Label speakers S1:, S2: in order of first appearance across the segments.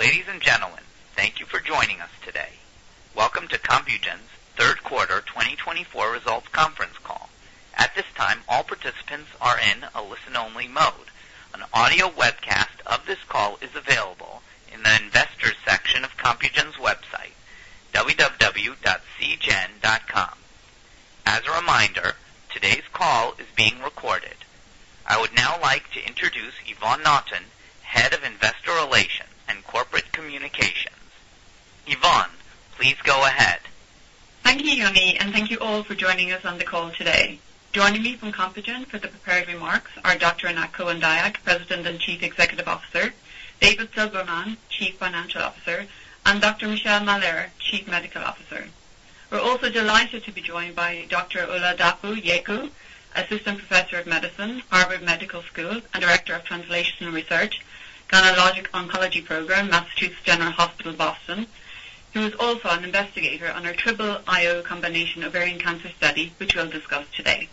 S1: Ladies and gentlemen, thank you for joining us today. Welcome to Compugen's third quarter 2024 results conference call. At this time, all participants are in a listen-only mode. An audio webcast of this call is available in the investors' section of Compugen's website, www.cgen.com. As a reminder, today's call is being recorded. I would now like to introduce Yvonne Naughton, Head of Investor Relations and Corporate Communications. Yvonne, please go ahead.
S2: Thank you, Yoni, and thank you all for joining us on the call today. Joining me from Compugen for the prepared remarks are Dr. Anat Cohen-Dayag, President and Chief Executive Officer, David Silberman, Chief Financial Officer, and Dr. Michelle Mahler, Chief Medical Officer. We're also delighted to be joined by Dr. Oladapo Yeku, Assistant Professor of Medicine, Harvard Medical School, and Director of Translational Research, Gynecologic Oncology Program, Massachusetts General Hospital, Boston, who is also an investigator on our triple IO combination ovarian cancer study, which we'll discuss today.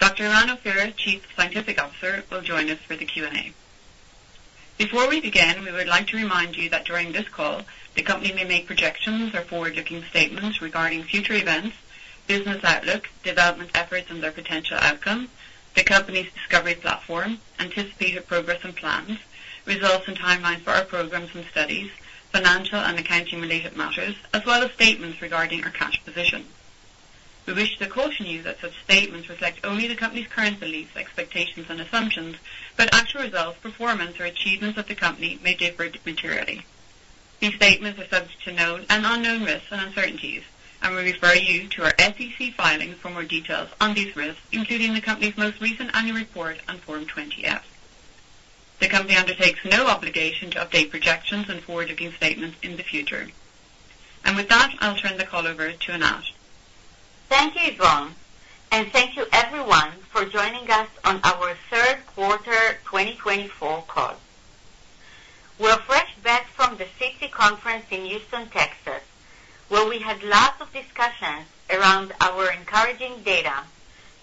S2: Dr. Eran Ophir, Chief Scientific Officer, will join us for the Q&A. Before we begin, we would like to remind you that during this call, the company may make projections or forward-looking statements regarding future events, business outlook, development efforts, and their potential outcome, the company's discovery platform, anticipated progress and plans, results and timelines for our programs and studies, financial and accounting-related matters, as well as statements regarding our cash position. We wish to caution you that such statements reflect only the company's current beliefs, expectations, and assumptions, but actual results, performance, or achievements of the company may differ materially. These statements are subject to known and unknown risks and uncertainties, and we refer you to our SEC filing for more details on these risks, including the company's most recent annual report and Form 20-F. The company undertakes no obligation to update projections and forward-looking statements in the future. And with that, I'll turn the call over to Anat.
S3: Thank you Yvonne, and thank you, everyone, for joining us on our third quarter 2024 call. We're fresh back from the SITC conference in Houston, Texas, where we had lots of discussions around our encouraging data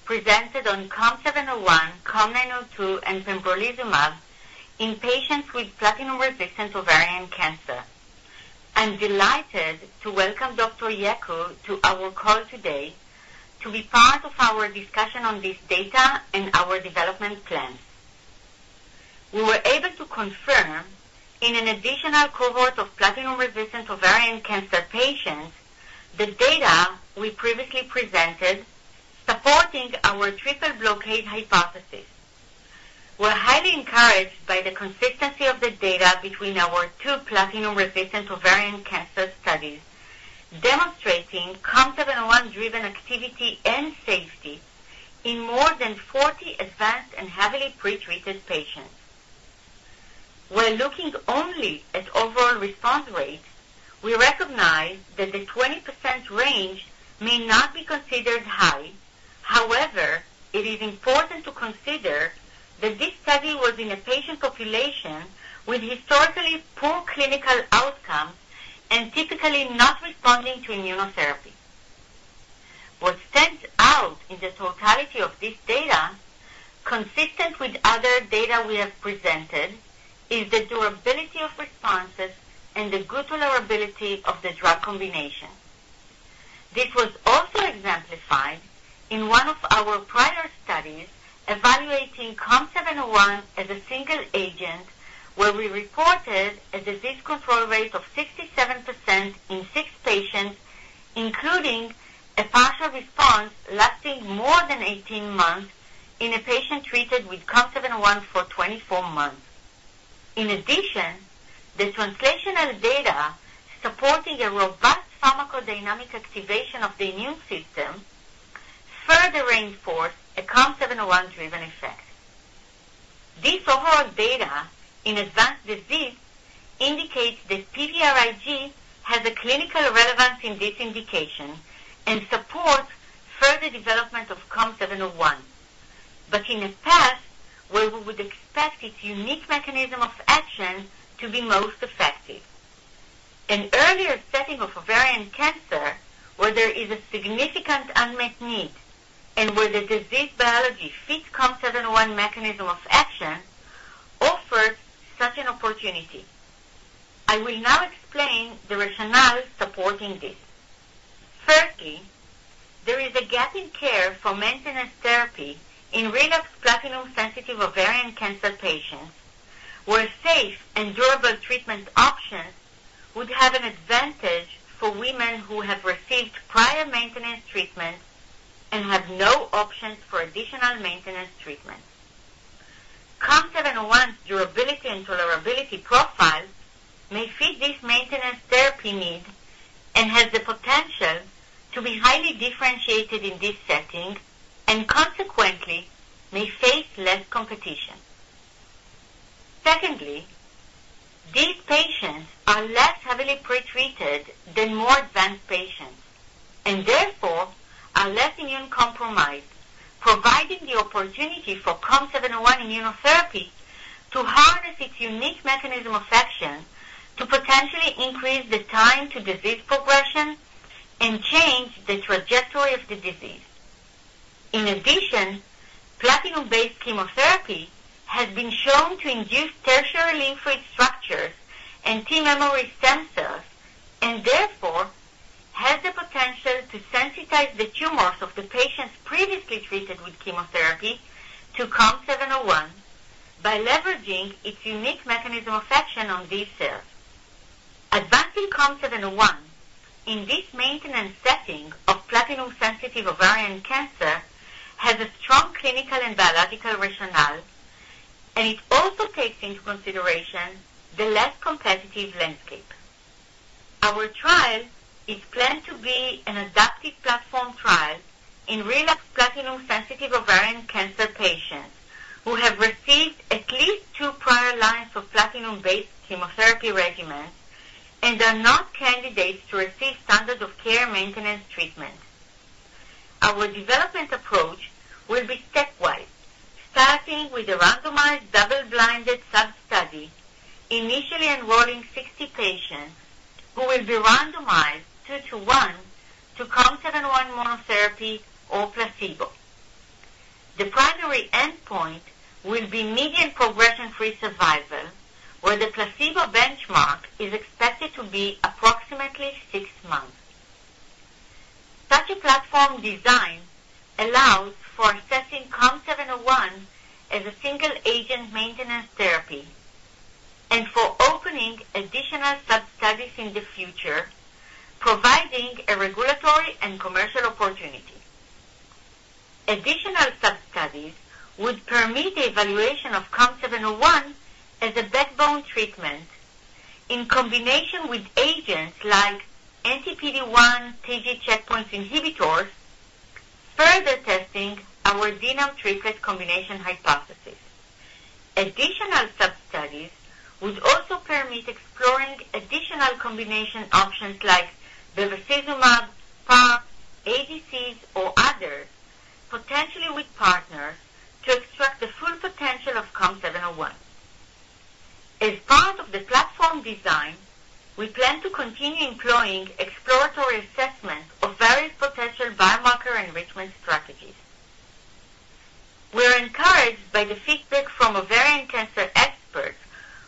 S3: presented on COM701, COM902, and pembrolizumab in patients with platinum-resistant ovarian cancer. I'm delighted to welcome Dr. Yeku to our call today to be part of our discussion on this data and our development plan. We were able to confirm, in an additional cohort of platinum-resistant ovarian cancer patients, the data we previously presented supporting our triple blockade hypothesis. We're highly encouraged by the consistency of the data between our two platinum-resistant ovarian cancer studies, demonstrating COM701-driven activity and safety in more than 40 advanced and heavily pretreated patients. When looking only at overall response rate, we recognize that the 20% range may not be considered high. However, it is important to consider that this study was in a patient population with historically poor clinical outcomes and typically not responding to immunotherapy. What stands out in the totality of this data, consistent with other data we have presented, is the durability of responses and the good tolerability of the drug combination. This was also exemplified in one of our prior studies evaluating COM701 as a single agent, where we reported a disease control rate of 67% in six patients, including a partial response lasting more than 18 months in a patient treated with COM701 for 24 months. In addition, the translational data supporting a robust pharmacodynamic activation of the immune system further reinforced a COM701-driven effect. This overall data in advanced disease indicates that PVRIG has a clinical relevance in this indication and supports further development of COM701, but in a path where we would expect its unique mechanism of action to be most effective. An earlier setting of ovarian cancer, where there is a significant unmet need and where the disease biology fits COM701 mechanism of action, offers such an opportunity. I will now explain the rationale supporting this. Firstly, there is a gap in care for maintenance therapy in relapsed platinum-sensitive ovarian cancer patients, where safe and durable treatment options would have an advantage for women who have received prior maintenance treatment and have no options for additional maintenance treatment. COM701's durability and tolerability profile may fit this maintenance therapy need and has the potential to be highly differentiated in this setting and, consequently, may face less competition. Secondly, these patients are less heavily pretreated than more advanced patients and, therefore, are less immunocompromised, providing the opportunity for COM701 immunotherapy to harness its unique mechanism of action to potentially increase the time to disease progression and change the trajectory of the disease. In addition, platinum-based chemotherapy has been shown to induce tertiary lymphoid structures and T memory stem cells and, therefore, has the potential to sensitize the tumors of the patients previously treated with chemotherapy to COM701 by leveraging its unique mechanism of action on these cells. Advancing COM701 in this maintenance setting of platinum-sensitive ovarian cancer has a strong clinical and biological rationale, and it also takes into consideration the less competitive landscape. Our trial is planned to be an adaptive platform trial in relapsed platinum-sensitive ovarian cancer patients who have received at least two prior lines of platinum-based chemotherapy regimens and are not candidates to receive standard-of-care maintenance treatment. Our development approach will be stepwise, starting with a randomized double-blinded sub-study, initially enrolling 60 patients who will be randomized two-to-one to COM701 monotherapy or placebo. The primary endpoint will be median progression-free survival, where the placebo benchmark is expected to be approximately six months. Such a platform design allows for assessing COM701 as a single-agent maintenance therapy and for opening additional sub-studies in the future, providing a regulatory and commercial opportunity. Additional sub-studies would permit the evaluation of COM701 as a backbone treatment in combination with agents like anti-PD-1 checkpoint inhibitors, further testing our DNAM triplet combination hypothesis. Additional sub-studies would also permit exploring additional combination options like bevacizumab, PARP, ADCs, or others, potentially with partners, to extract the full potential of COM701. As part of the platform design, we plan to continue employing exploratory assessments of various potential biomarker enrichment strategies. We are encouraged by the feedback from ovarian cancer experts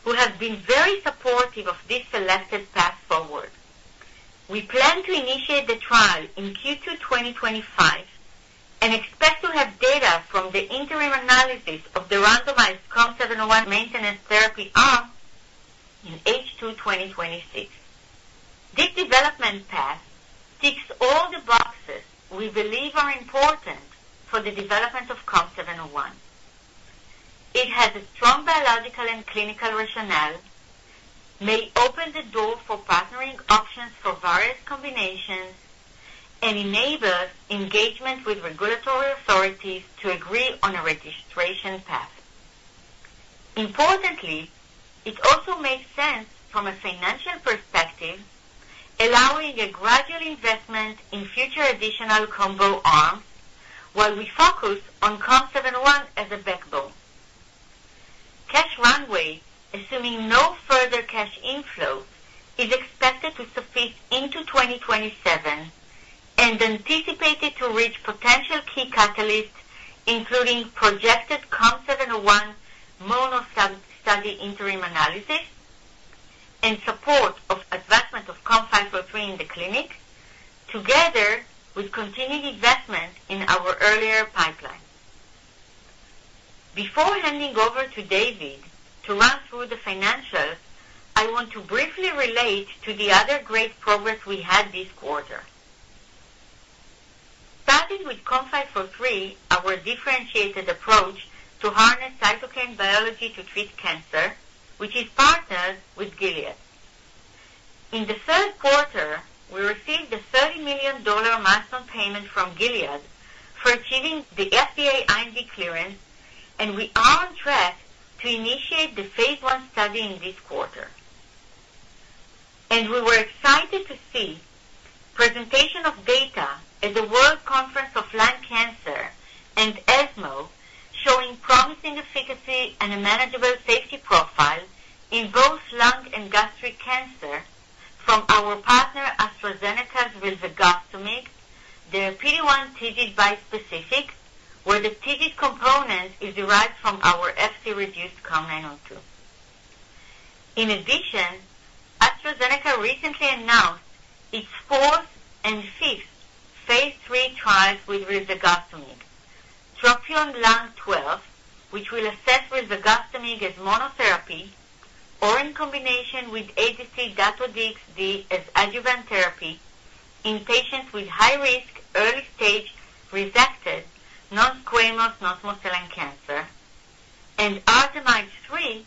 S3: who have been very supportive of this selected path forward. We plan to initiate the trial in Q2 2025 and expect to have data from the interim analysis of the randomized COM701 maintenance therapy arm in H2 2026. This development path ticks all the boxes we believe are important for the development of COM701. It has a strong biological and clinical rationale, may open the door for partnering options for various combinations, and enables engagement with regulatory authorities to agree on a registration path. Importantly, it also makes sense from a financial perspective, allowing a gradual investment in future additional combo arms while we focus on COM701 as a backbone. Cash runway, assuming no further cash inflow, is expected to suffice into 2027 and anticipated to reach potential key catalysts, including projected COM701 mono sub-study interim analysis and support of advancement of COM503 in the clinic, together with continued investment in our earlier pipeline. Before handing over to David to run through the financials, I want to briefly relate to the other great progress we had this quarter. Starting with COM503, our differentiated approach to harness cytokine biology to treat cancer, which is partnered with Gilead. In the third quarter, we received a $30 million milestone payment from Gilead for achieving the FDA IND clearance, and we are on track to initiate the phase one study in this quarter. We were excited to see presentation of data at the World Conference on Lung Cancer and ESMO showing promising efficacy and a manageable safety profile in both lung and gastric cancer from our partner AstraZeneca's rilvegostomig, their PD-1 TIGIT bispecific, where the TIGIT component is derived from our Fc-reduced COM902. In addition, AstraZeneca recently announced its fourth and fifth phase lll trials with rilvegostomig, TROPION-Lung12, which will assess rilvegostomig as monotherapy or in combination with ADC, Dato-DXd as adjuvant therapy in patients with high-risk early-stage resected non-squamous non-small cell cancer, and ARTEMIDE-03,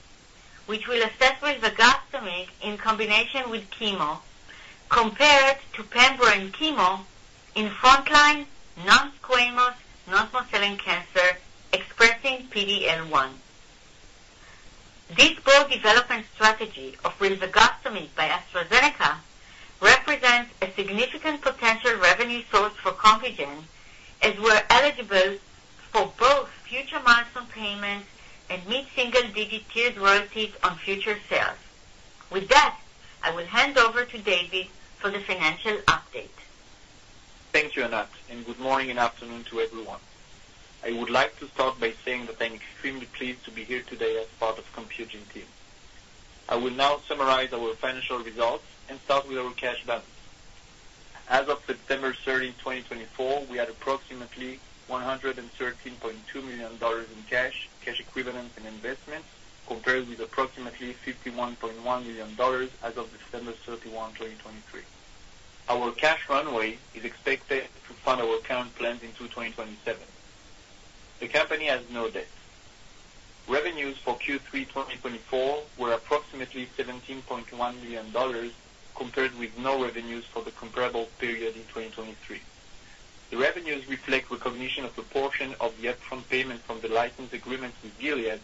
S3: which will assess rilvegostomig in combination with chemo compared to pembrolizumab chemo in frontline non-squamous non-small cell cancer expressing PD-L1. This broad development strategy of rilvegostomig by AstraZeneca represents a significant potential revenue source for Compugen, as we're eligible for both future milestone payments and mid single-digit tiered royalties on future sales. With that, I will hand over to David for the financial update.
S4: Thank you Anat, and good morning and afternoon to everyone. I would like to start by saying that I'm extremely pleased to be here today as part of the Compugen team. I will now summarize our financial results and start with our cash balance. As of September 30, 2024, we had approximately $113.2 million in cash, cash equivalents, and investments, compared with approximately $51.1 million as of December 31, 2023. Our cash runway is expected to fund our current plans into 2027. The company has no debt. Revenues for Q3 2024 were approximately $17.1 million compared with no revenues for the comparable period in 2023. The revenues reflect recognition of a portion of the upfront payment from the license agreement with Gilead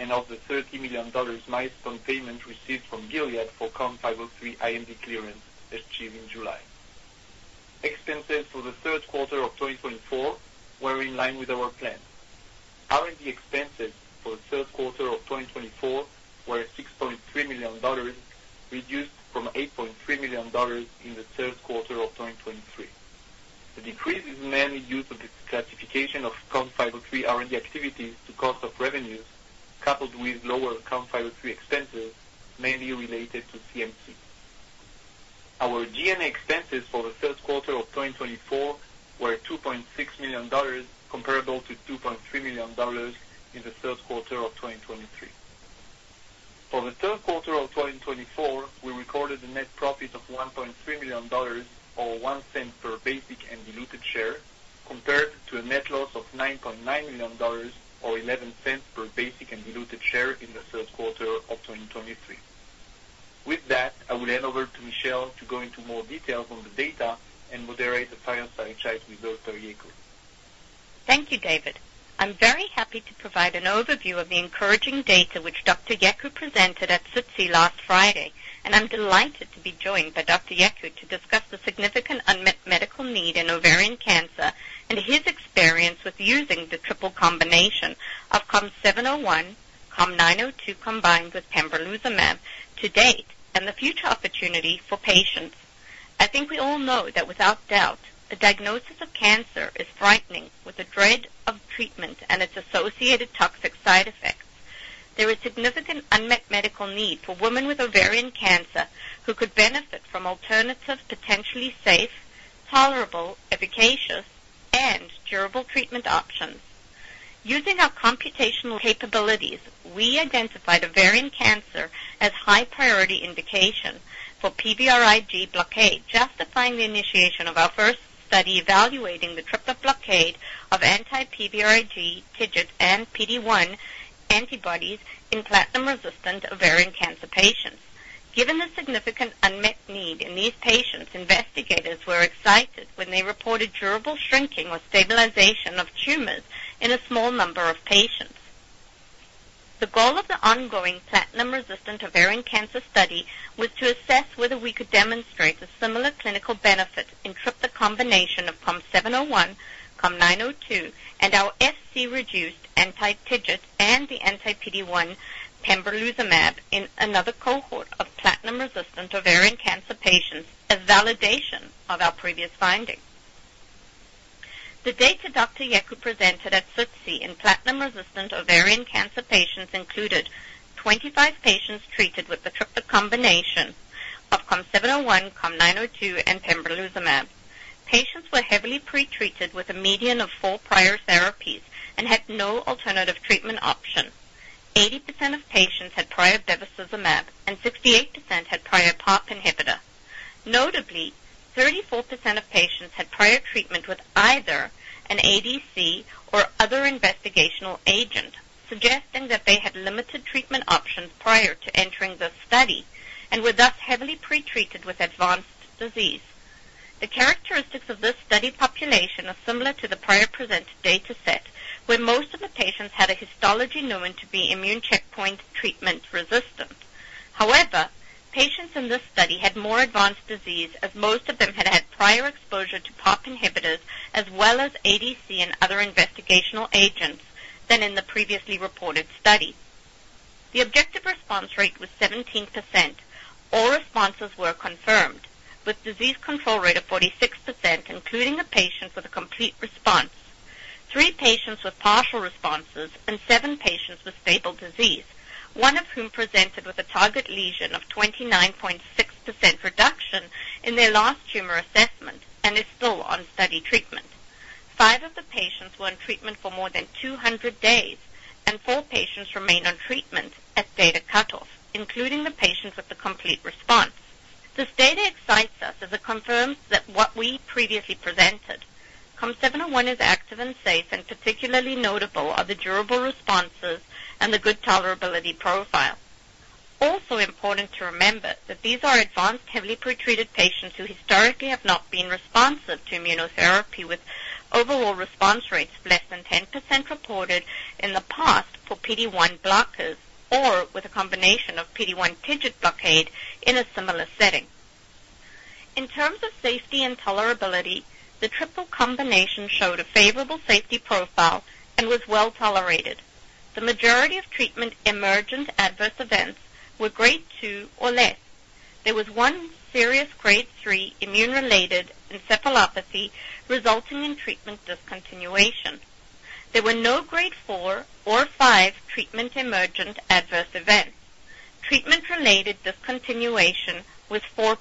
S4: and of the $30 million milestone payment received from Gilead for COM503 IND clearance achieved in July. Expenses for the third quarter of 2024 were in line with our plan. R&D expenses for the third quarter of 2024 were $6.3 million, reduced from $8.3 million in the third quarter of 2023. The decrease is mainly due to the classification of COM503 R&D activities to cost of revenues, coupled with lower COM503 expenses, mainly related to CMC. Our G&A expenses for the third quarter of 2024 were $2.6 million, comparable to $2.3 million in the third quarter of 2023. For the third quarter of 2024, we recorded a net profit of $1.3 million, or one cent per basic and diluted share, compared to a net loss of $9.9 million, or 11 cents per basic and diluted share in the third quarter of 2023. With that, I will hand over to Michelle to go into more details on the data and moderate the final slideshow with Dr. Yeku.
S5: Thank you, David. I'm very happy to provide an overview of the encouraging data which Dr. Yeku presented at SITC last Friday, and I'm delighted to be joined by Dr. Yeku to discuss the significant unmet medical need in ovarian cancer and his experience with using the triple combination of COM701, COM902 combined with pembrolizumab to date and the future opportunity for patients. I think we all know that without doubt, the diagnosis of cancer is frightening with the dread of treatment and its associated toxic side effects. There is significant unmet medical need for women with ovarian cancer who could benefit from alternative, potentially safe, tolerable, efficacious, and durable treatment options. Using our computational capabilities, we identified ovarian cancer as high-priority indication for PVRIG blockade, justifying the initiation of our first study evaluating the triple blockade of anti-PVRIG, TIGIT, and PD-1 antibodies in platinum-resistant ovarian cancer patients. Given the significant unmet need in these patients, investigators were excited when they reported durable shrinking or stabilization of tumors in a small number of patients. The goal of the ongoing platinum-resistant ovarian cancer study was to assess whether we could demonstrate a similar clinical benefit in triple combination of COM701, COM902, and our FC-reduced anti-TIGIT and the anti-PD-1 pembrolizumab in another cohort of platinum-resistant ovarian cancer patients as validation of our previous findings. The data Dr. Yeku presented at SITC in platinum-resistant ovarian cancer patients included 25 patients treated with the triple combination of COM701, COM902, and pembrolizumab. Patients were heavily pretreated with a median of four prior therapies and had no alternative treatment option. 80% of patients had prior bevacizumab, and 68% had prior PARP inhibitor. Notably, 34% of patients had prior treatment with either an ADC or other investigational agent, suggesting that they had limited treatment options prior to entering the study and were thus heavily pretreated with advanced disease. The characteristics of this study population are similar to the prior presented dataset, where most of the patients had a histology known to be immune checkpoint treatment resistant. However, patients in this study had more advanced disease, as most of them had had prior exposure to PARP inhibitors as well as ADC and other investigational agents than in the previously reported study. The objective response rate was 17%. All responses were confirmed, with a disease control rate of 46%, including a patient with a complete response, three patients with partial responses, and seven patients with stable disease, one of whom presented with a target lesion of 29.6% reduction in their last tumor assessment and is still on study treatment. Five of the patients were on treatment for more than 200 days, and four patients remain on treatment at data cutoff, including the patients with the complete response. This data excites us as it confirms that what we previously presented, COM701, is active and safe, and particularly notable are the durable responses and the good tolerability profile. Also important to remember that these are advanced, heavily pretreated patients who historically have not been responsive to immunotherapy, with overall response rates less than 10% reported in the past for PD-1 blockers or with a combination of PD-1 TIGIT blockade in a similar setting. In terms of safety and tolerability, the triple combination showed a favorable safety profile and was well tolerated. The majority of treatment emergent adverse events were grade two or less. There was one serious grade three immune-related encephalopathy resulting in treatment discontinuation. There were no grade four or five treatment emergent adverse events. Treatment-related discontinuation was 4%.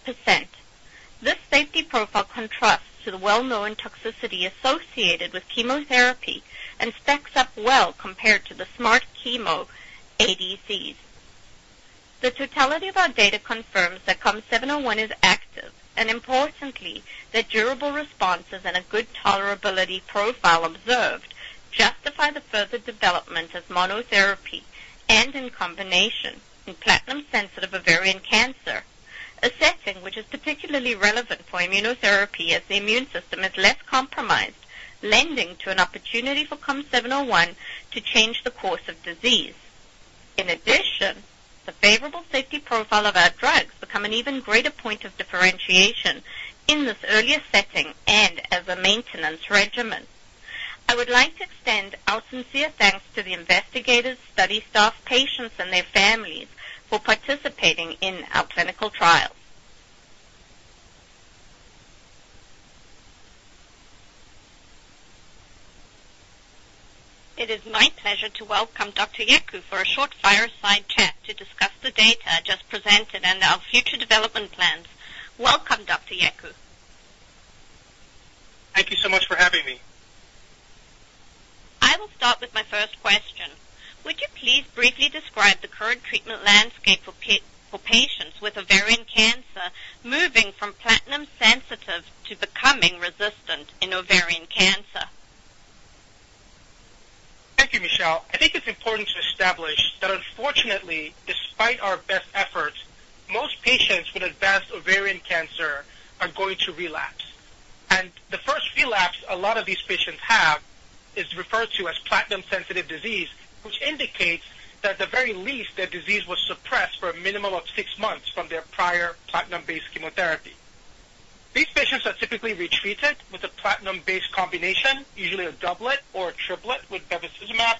S5: This safety profile contrasts to the well-known toxicity associated with chemotherapy and stacks up well compared to the smart chemo ADCs. The totality of our data confirms that COM701 is active and, importantly, that durable responses and a good tolerability profile observed justify the further development as monotherapy and in combination in platinum-sensitive ovarian cancer, a setting which is particularly relevant for immunotherapy as the immune system is less compromised, lending to an opportunity for COM701 to change the course of disease. In addition, the favorable safety profile of our drugs becomes an even greater point of differentiation in this earlier setting and as a maintenance regimen. I would like to extend our sincere thanks to the investigators, study staff, patients, and their families for participating in our clinical trials. It is my pleasure to welcome Dr. Yeku for a short fireside chat to discuss the data just presented and our future development plans. Welcome, Dr. Yeku.
S6: Thank you so much for having me.
S5: I will start with my first question. Would you please briefly describe the current treatment landscape for patients with ovarian cancer moving from platinum-sensitive to becoming resistant in ovarian cancer?
S6: Thank you Michelle. I think it's important to establish that, unfortunately, despite our best efforts, most patients with advanced ovarian cancer are going to relapse. And the first relapse a lot of these patients have is referred to as platinum-sensitive disease, which indicates that at the very least, their disease was suppressed for a minimum of six months from their prior platinum-based chemotherapy. These patients are typically retreated with a platinum-based combination, usually a doublet or a triplet with bevacizumab.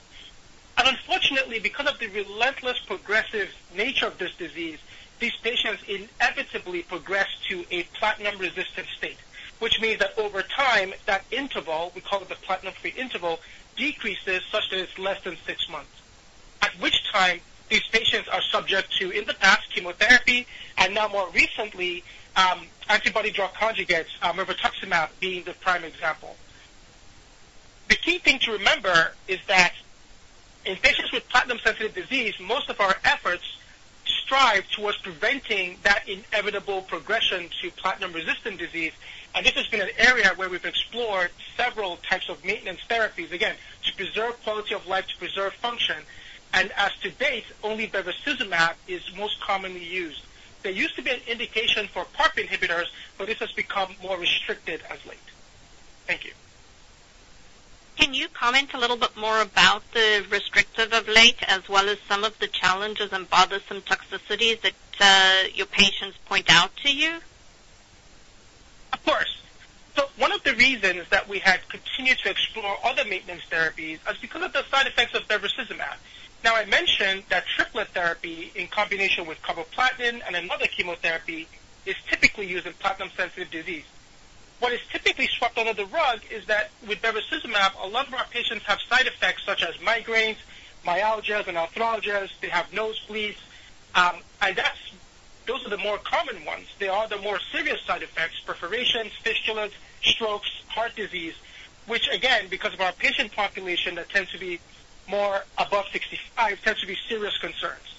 S6: And unfortunately, because of the relentless progressive nature of this disease, these patients inevitably progress to a platinum-resistant state, which means that over time, that interval, we call it the platinum-free interval, decreases such that it's less than six months, at which time these patients are subject to, in the past, chemotherapy and now, more recently, antibody-drug conjugates, Mirvetuximab soravtansine, being the prime example. The key thing to remember is that in patients with platinum-sensitive disease, most of our efforts strive towards preventing that inevitable progression to platinum-resistant disease. And this has been an area where we've explored several types of maintenance therapies, again, to preserve quality of life, to preserve function. And to date, only bevacizumab is most commonly used. There used to be an indication for PARP inhibitors, but this has become more restricted as of late. Thank you.
S5: Can you comment a little bit more about the restaging of late, as well as some of the challenges and bothersome toxicities that your patients point out to you?
S6: Of course. So one of the reasons that we had continued to explore other maintenance therapies is because of the side effects of bevacizumab. Now, I mentioned that triplet therapy in combination with carboplatin and another chemotherapy is typically used in platinum-sensitive disease. What is typically swept under the rug is that with bevacizumab, a lot of our patients have side effects such as migraines, myalgias, and arthralgias. They have nosebleeds. And those are the more common ones. They are the more serious side effects: perforations, fistulas, strokes, heart disease, which, again, because of our patient population that tends to be more above 65, tends to be serious concerns.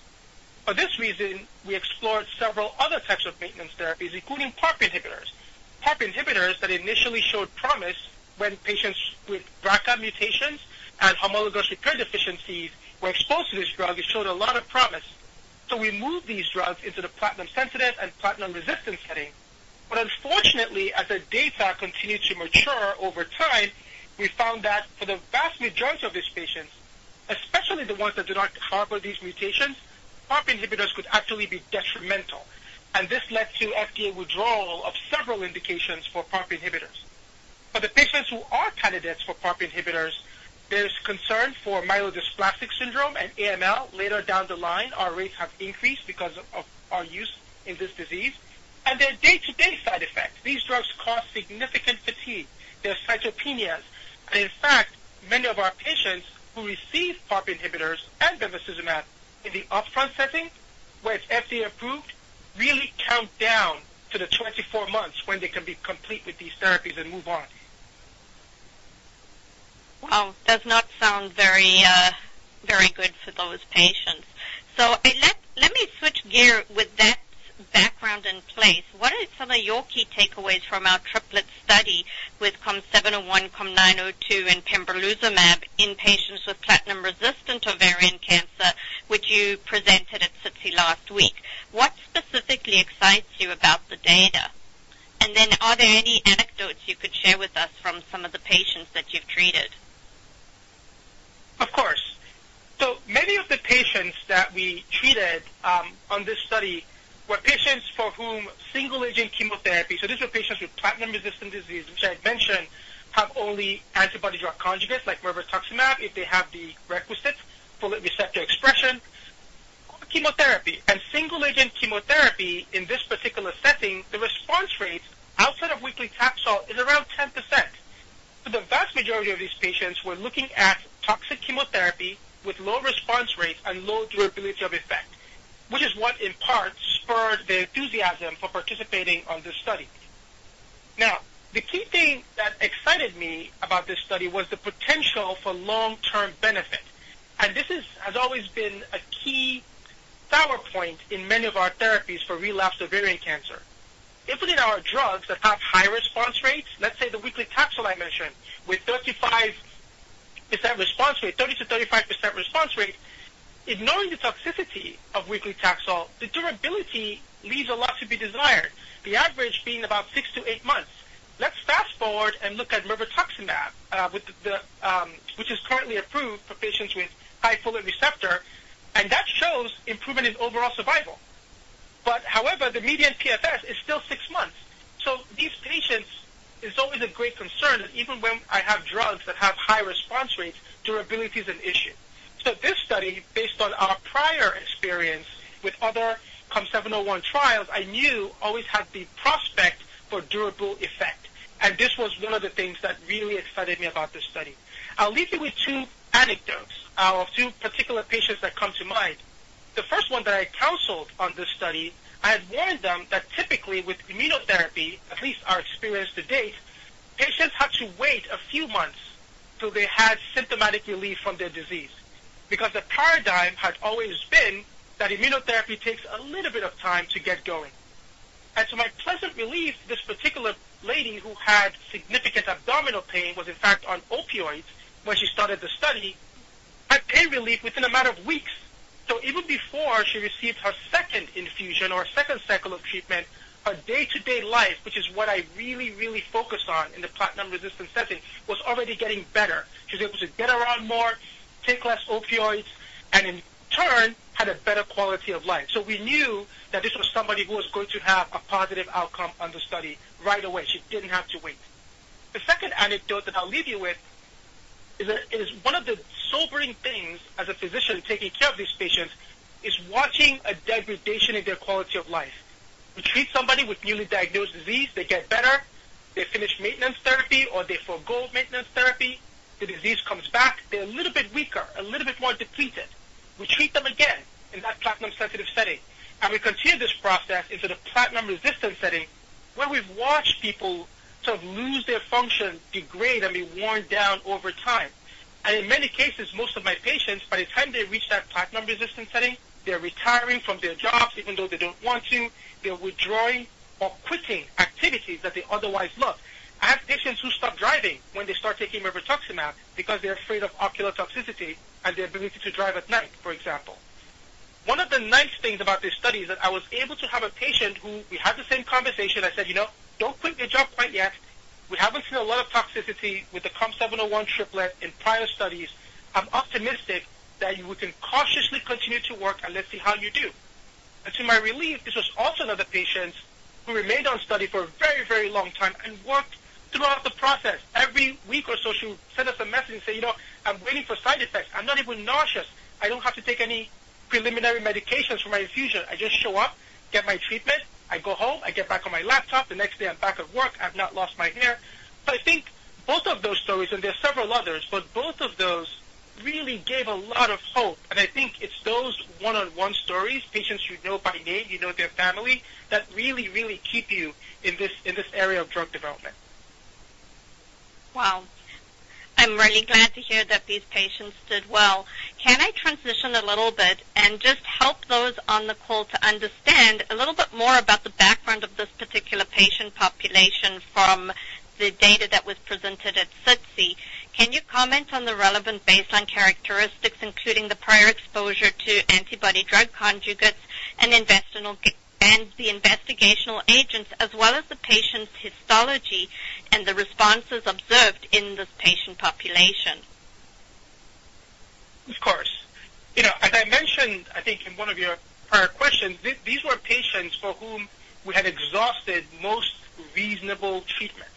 S6: For this reason, we explored several other types of maintenance therapies, including PARP inhibitors. PARP inhibitors that initially showed promise when patients with BRCA mutations and homologous recombination deficiencies were exposed to this drug showed a lot of promise. So we moved these drugs into the platinum-sensitive and platinum-resistant setting. But unfortunately, as the data continued to mature over time, we found that for the vast majority of these patients, especially the ones that do not harbor these mutations, PARP inhibitors could actually be detrimental. And this led to FDA withdrawal of several indications for PARP inhibitors. For the patients who are candidates for PARP inhibitors, there's concern for myelodysplastic syndrome and AML. Later down the line, our rates have increased because of our use in this disease. And their day-to-day side effects, these drugs cause significant fatigue. There are cytopenias. And in fact, many of our patients who receive PARP inhibitors and Bevacizumab in the upfront setting, where it's FDA-approved, really count down to the 24 months when they can be complete with these therapies and move on.
S5: Wow. Does not sound very good for those patients. So let me switch gears. With that background in place, what are some of your key takeaways from our triplet study with COM701, COM902, and pembrolizumab in patients with platinum-resistant ovarian cancer, which you presented at SITC last week? What specifically excites you about the data? And then are there any anecdotes you could share with us from some of the patients that you've treated?
S6: Of course. So many of the patients that we treated on this study were patients for whom single-agent chemotherapy, so these were patients with platinum-resistant disease, which I had mentioned, have only antibody-drug conjugates like mirvetuximab soravtansine, if they have the requisite full receptor expression, or chemotherapy. And single-agent chemotherapy, in this particular setting, the response rate outside of weekly Taxol is around 10%. For the vast majority of these patients, we're looking at toxic chemotherapy with low response rates and low durability of effect, which is what, in part, spurred the enthusiasm for participating on this study. Now, the key thing that excited me about this study was the potential for long-term benefit. And this has, as always, been a key point in many of our therapies for relapsed ovarian cancer. Even in our drugs that have high response rates, let's say the weekly Taxol I mentioned, with 35% response rate, 30%-35% response rate, ignoring the toxicity of weekly Taxol, the durability leaves a lot to be desired, the average being about six to eight months. Let's fast forward and look at mirvetuximab soravtansine, which is currently approved for patients with high folate receptor. And that shows improvement in overall survival. But however, the median PFS is still six months. So these patients, it's always a great concern that even when I have drugs that have high response rates, durability is an issue. So this study, based on our prior experience with other COM701 trials, I knew always had the prospect for durable effect. And this was one of the things that really excited me about this study. I'll leave you with two anecdotes of two particular patients that come to mind. The first one that I counseled on this study, I had warned them that typically with immunotherapy, at least our experience to date, patients had to wait a few months till they had symptomatic relief from their disease because the paradigm had always been that immunotherapy takes a little bit of time to get going. And to my pleasant relief, this particular lady who had significant abdominal pain was, in fact, on opioids when she started the study, had pain relief within a matter of weeks. So even before she received her second infusion or second cycle of treatment, her day-to-day life, which is what I really, really focused on in the platinum-resistant setting, was already getting better. She was able to get around more, take less opioids, and in turn, had a better quality of life, so we knew that this was somebody who was going to have a positive outcome on the study right away. She didn't have to wait. The second anecdote that I'll leave you with is one of the sobering things as a physician taking care of these patients is watching a degradation in their quality of life. We treat somebody with newly diagnosed disease. They get better. They finish maintenance therapy or they forego maintenance therapy. The disease comes back. They're a little bit weaker, a little bit more depleted. We treat them again in that platinum-sensitive setting, and we continue this process into the platinum-resistant setting where we've watched people sort of lose their function, degrade, and be worn down over time. In many cases, most of my patients, by the time they reach that platinum-resistant setting, they're retiring from their jobs, even though they don't want to. They're withdrawing or quitting activities that they otherwise loved. I have patients who stop driving when they start taking mirvetuximab soravtansine because they're afraid of ocular toxicity and their ability to drive at night, for example. One of the nice things about this study is that I was able to have a patient who we had the same conversation. I said, "Don't quit your job quite yet. We haven't seen a lot of toxicity with the COM701 triplet in prior studies. I'm optimistic that you can cautiously continue to work, and let's see how you do." To my relief, this was also another patient who remained on study for a very, very long time and worked throughout the process. Every week or so, she would send us a message and say, "I'm waiting for side effects. I'm not even nauseous. I don't have to take any preliminary medications for my infusion. I just show up, get my treatment. I go home. I get back on my laptop. The next day, I'm back at work. I've not lost my hair." So I think both of those stories, and there are several others, but both of those really gave a lot of hope. And I think it's those one-on-one stories, patients you know by name, you know their family, that really, really keep you in this area of drug development.
S5: Wow. I'm really glad to hear that these patients did well. Can I transition a little bit and just help those on the call to understand a little bit more about the background of this particular patient population from the data that was presented at SITC? Can you comment on the relevant baseline characteristics, including the prior exposure to antibody-drug conjugates and the investigational agents, as well as the patient's histology and the responses observed in this patient population?
S6: Of course. As I mentioned, I think in one of your prior questions, these were patients for whom we had exhausted most reasonable treatment.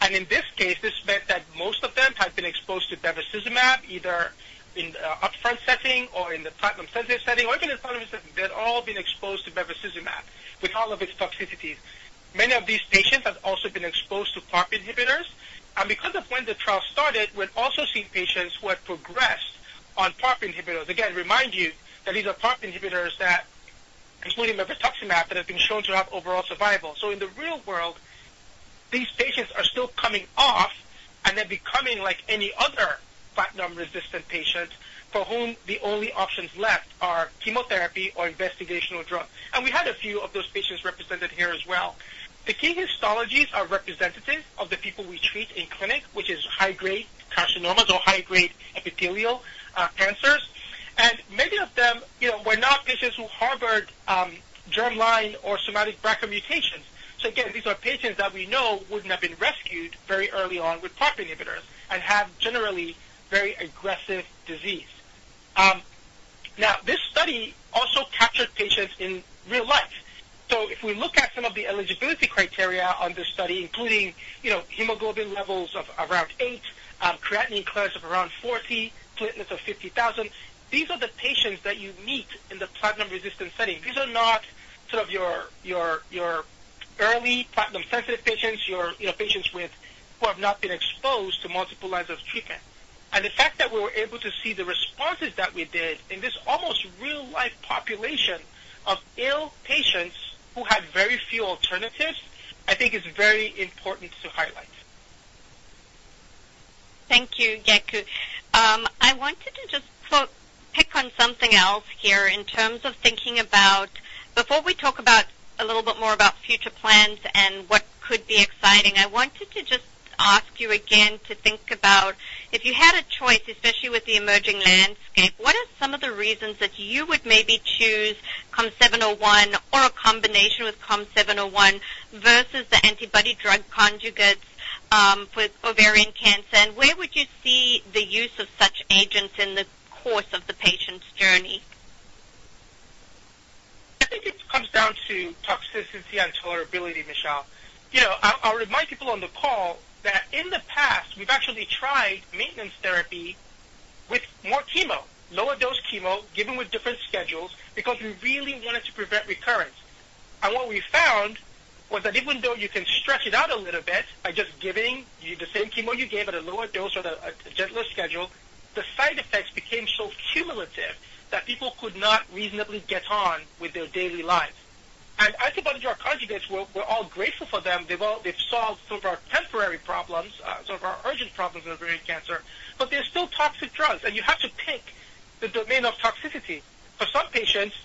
S6: And in this case, this meant that most of them had been exposed to Bevacizumab, either in the upfront setting or in the platinum-sensitive setting, or even in the platinum-sensitive setting. They had all been exposed to Bevacizumab with all of its toxicities. Many of these patients had also been exposed to PARP inhibitors. And because of when the trial started, we had also seen patients who had progressed on PARP inhibitors. Again, remind you that these are PARP inhibitors that, including Bevacizumab, that have been shown to have overall survival. So in the real world, these patients are still coming off, and they're becoming like any other platinum-resistant patient for whom the only options left are chemotherapy or investigational drugs. And we had a few of those patients represented here as well. The key histologies are representative of the people we treat in clinic, which is high-grade carcinomas or high-grade epithelial cancers. And many of them were not patients who harbored germline or somatic BRCA mutations. So again, these are patients that we know wouldn't have been rescued very early on with PARP inhibitors and have generally very aggressive disease. Now, this study also captured patients in real life. So if we look at some of the eligibility criteria on this study, including hemoglobin levels of around eight, creatinine clearance of around 40, platelets of 50,000, these are the patients that you meet in the platinum-resistant setting. These are not sort of your early platinum-sensitive patients, your patients who have not been exposed to multiple lines of treatment. The fact that we were able to see the responses that we did in this almost real-life population of ill patients who had very few alternatives, I think is very important to highlight.
S5: Thank you, Yeku. I wanted to just pick up on something else here in terms of thinking about before we talk a little bit more about future plans and what could be exciting. I wanted to just ask you again to think about if you had a choice, especially with the emerging landscape, what are some of the reasons that you would maybe choose COM701 or a combination with COM701 versus the antibody-drug conjugates with ovarian cancer? And where would you see the use of such agents in the course of the patient's journey?
S6: I think it comes down to toxicity and tolerability, Michelle. I'll remind people on the call that in the past, we've actually tried maintenance therapy with more chemo, lower-dose chemo, given with different schedules because we really wanted to prevent recurrence, and what we found was that even though you can stretch it out a little bit by just giving you the same chemo you gave at a lower dose or a gentler schedule, the side effects became so cumulative that people could not reasonably get on with their daily lives, and antibody-drug conjugates, we're all grateful for them. They've solved some of our temporary problems, some of our urgent problems in ovarian cancer, but they're still toxic drugs, and you have to pick the domain of toxicity. For some patients,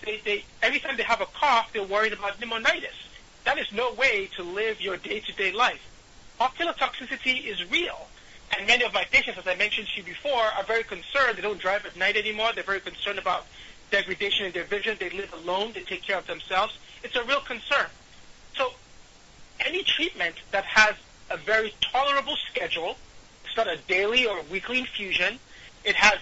S6: every time they have a cough, they're worried about pneumonitis. That is no way to live your day-to-day life. Ocular toxicity is real, and many of my patients, as I mentioned to you before, are very concerned. They don't drive at night anymore. They're very concerned about degradation in their vision. They live alone. They take care of themselves. It's a real concern, so any treatment that has a very tolerable schedule, it's not a daily or a weekly infusion, it has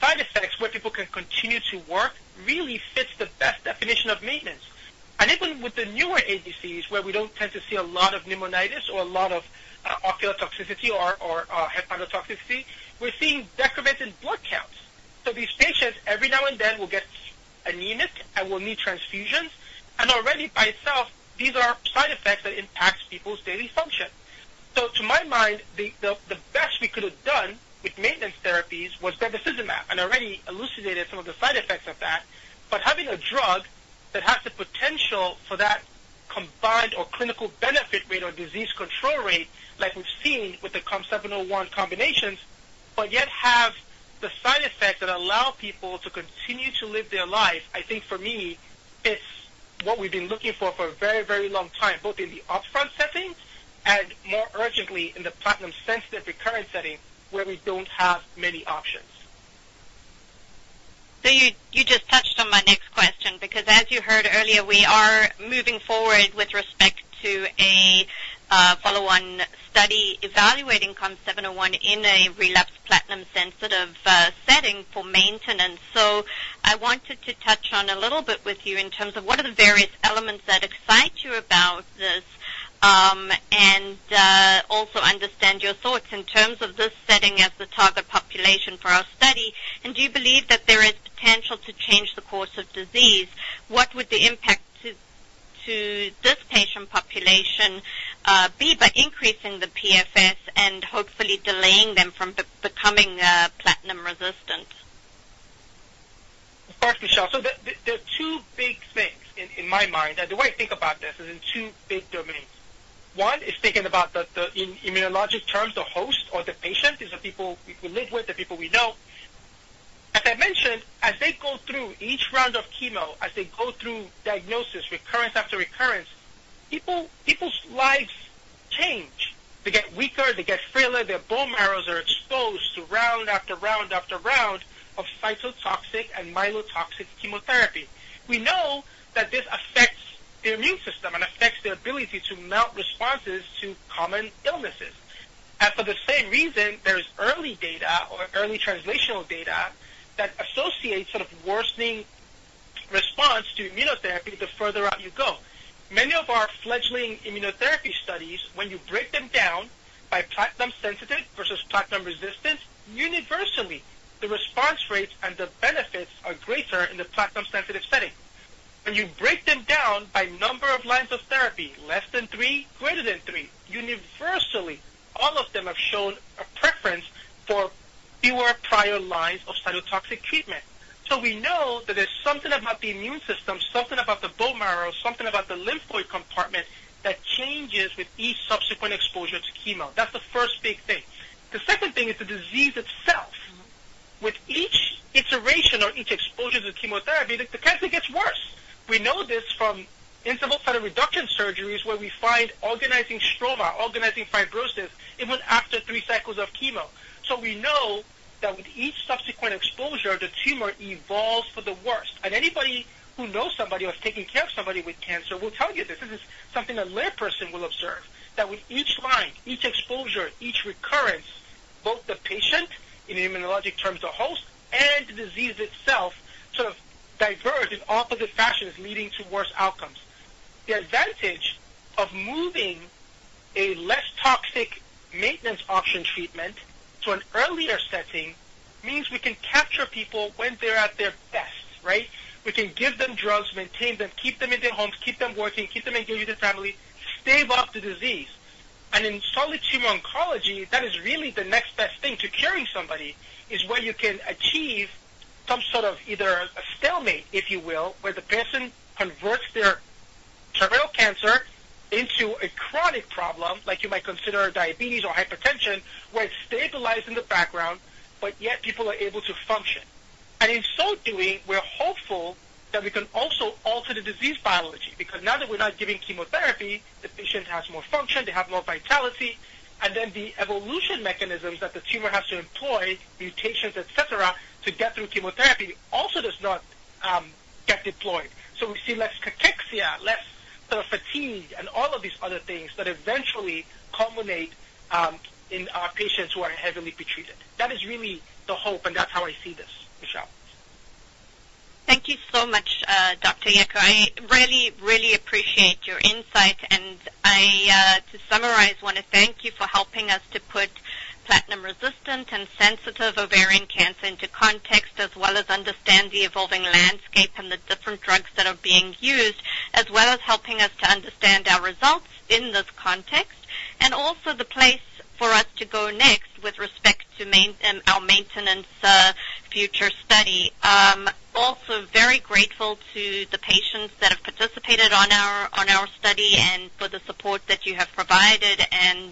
S6: side effects where people can continue to work, really fits the best definition of maintenance. And even with the newer ADCs, where we don't tend to see a lot of pneumonitis or a lot of ocular toxicity or hepatotoxicity, we're seeing decrement in blood counts. So these patients, every now and then, will get anemic and will need transfusions. And already, by itself, these are side effects that impact people's daily function. So to my mind, the best we could have done with maintenance therapies was Bevacizumab. And I already elucidated some of the side effects of that. But having a drug that has the potential for that combined or clinical benefit rate or disease control rate like we've seen with the COM701 combinations, but yet have the side effects that allow people to continue to live their life, I think for me, it's what we've been looking for a very, very long time, both in the upfront setting and more urgently in the platinum-sensitive recurrent setting where we don't have many options.
S5: So you just touched on my next question because, as you heard earlier, we are moving forward with respect to a follow-on study evaluating COM701 in a relapsed platinum-sensitive setting for maintenance. So I wanted to touch on a little bit with you in terms of what are the various elements that excite you about this and also understand your thoughts in terms of this setting as the target population for our study. And do you believe that there is potential to change the course of disease? What would the impact to this patient population be by increasing the PFS and hopefully delaying them from becoming platinum-resistant?
S6: Of course, Michelle. So there are two big things in my mind. And the way I think about this is in two big domains. One is thinking about the, in immunologic terms, the host or the patient. These are people we live with, the people we know. As I mentioned, as they go through each round of chemo, as they go through diagnosis, recurrence after recurrence, people's lives change. They get weaker. They get frailer. Their bone marrows are exposed to round after round after round of cytotoxic and myelotoxic chemotherapy. We know that this affects the immune system and affects their ability to mount responses to common illnesses. And for the same reason, there is early data or early translational data that associates sort of worsening response to immunotherapy the further out you go. Many of our fledgling immunotherapy studies, when you break them down by platinum-sensitive versus platinum-resistant, universally, the response rates and the benefits are greater in the platinum-sensitive setting. When you break them down by number of lines of therapy, less than three, greater than three, universally, all of them have shown a preference for fewer prior lines of cytotoxic treatment. So we know that there's something about the immune system, something about the bone marrow, something about the lymphoid compartment that changes with each subsequent exposure to chemo. That's the first big thing. The second thing is the disease itself. With each iteration or each exposure to chemotherapy, the cancer gets worse. We know this from interval cytoreduction surgeries where we find organizing stroma, organizing fibrosis, even after three cycles of chemo. So we know that with each subsequent exposure, the tumor evolves for the worse. And anybody who knows somebody or has taken care of somebody with cancer will tell you this. This is something a layperson will observe that with each line, each exposure, each recurrence, both the patient, in immunologic terms, the host, and the disease itself sort of diverge in opposite fashions, leading to worse outcomes. The advantage of moving a less toxic maintenance option treatment to an earlier setting means we can capture people when they're at their best, right? We can give them drugs, maintain them, keep them in their homes, keep them working, keep them engaged with their family, stave off the disease. And in solid tumor oncology, that is really the next best thing to curing somebody is where you can achieve some sort of either a stalemate, if you will, where the person converts their terminal cancer into a chronic problem like you might consider diabetes or hypertension where it's stabilized in the background, but yet people are able to function. And in so doing, we're hopeful that we can also alter the disease biology because now that we're not giving chemotherapy, the patient has more function. They have more vitality. And then the evolution mechanisms that the tumor has to employ, mutations, etc., to get through chemotherapy also does not get deployed. So we see less cachexia, less sort of fatigue, and all of these other things that eventually culminate in patients who are heavily pretreated. That is really the hope, and that's how I see this, Michelle.
S5: Thank you so much, Dr. Yeku. I really, really appreciate your insight, and to summarize, I want to thank you for helping us to put platinum-resistant and sensitive ovarian cancer into context as well as understand the evolving landscape and the different drugs that are being used, as well as helping us to understand our results in this context, and also the place for us to go next with respect to our maintenance future study. Also very grateful to the patients that have participated on our study and for the support that you have provided, and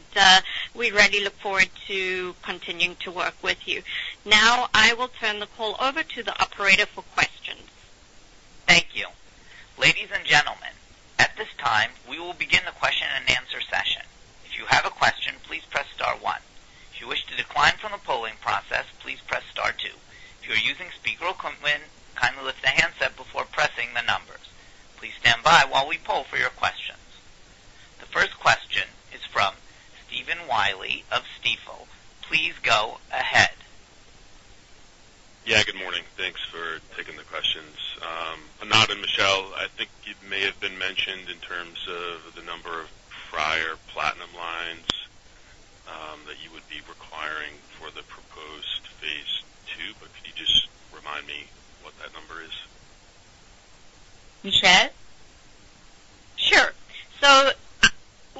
S5: we really look forward to continuing to work with you. Now, I will turn the call over to the operator for questions.
S1: Thank you. Ladies and gentlemen, at this time, we will begin the question-and-answer session. If you have a question, please press star one. If you wish to decline from the polling process, please press star two. If you are using speaker equipment, kindly lift the handset before pressing the numbers. Please stand by while we poll for your questions. The first question is from Stephen Willey of Stifel. Please go ahead. Yeah, good morning. Thanks for taking the questions. Anat and Michelle, I think you may have been mentioned in terms of the number of prior platinum lines that you would be requiring for the proposed phase ll, but could you just remind me what that number is?
S2: Michelle?
S5: Sure. So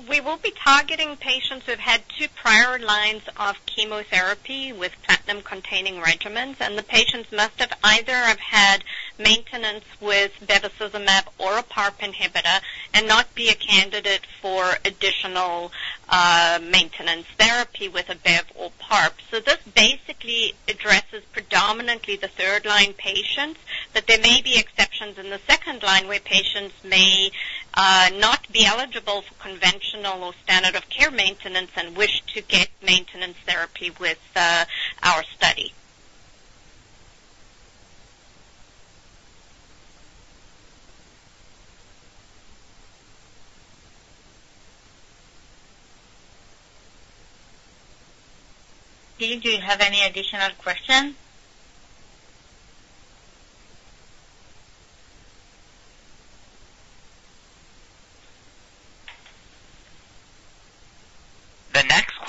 S5: we will be targeting patients who have had two prior lines of chemotherapy with platinum-containing regimens. And the patients must have either had maintenance with bevacizumab or a PARP inhibitor and not be a candidate for additional maintenance therapy with a BEV or PARP. So this basically addresses predominantly the third-line patients, but there may be exceptions in the second line where patients may not be eligible for conventional or standard-of-care maintenance and wish to get maintenance therapy with our study. Steve, do you have any additional questions?
S1: The next question is from, and there is a follow-up question from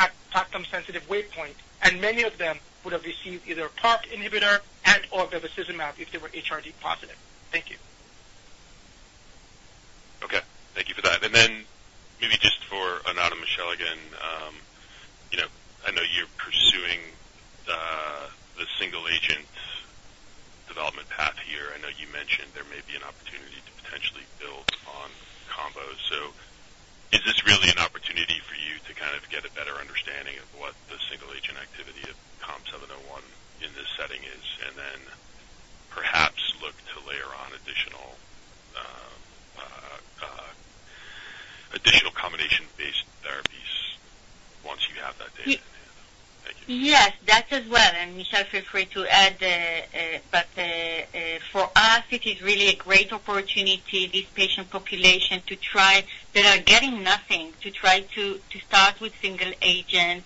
S6: at platinum-sensitive waypoint, and many of them would have received either a PARP inhibitor and/or bevacizumab if they were HRD positive. Thank you. Okay. Thank you for that. And then maybe just for Anat and Michelle again, I know you're pursuing the single-agent development path here. I know you mentioned there may be an opportunity to potentially build on combos. So is this really an opportunity for you to kind of get a better understanding of what the single-agent activity of COM701 in this setting is, and then perhaps look to layer on additional combination-based therapies once you have that data in hand? Thank you.
S2: Yes, that's as well. And Michelle, feel free to add. But for us, it is really a great opportunity, this patient population, to try—they're getting nothing—to try to start with single agent